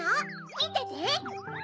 みてて！